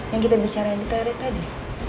yang kita bicara di teori tadi